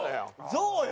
ゾウよ。